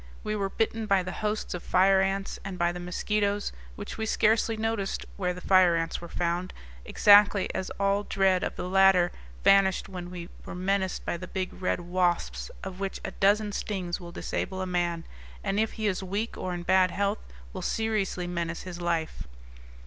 We were bitten by the hosts of fire ants, and by the mosquitoes, which we scarcely noticed where the fire ants were found, exactly as all dread of the latter vanished when we were menaced by the big red wasps, of which a dozen stings will disable a man, and if he is weak or in bad health will seriously menace his life.